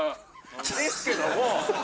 ですけども。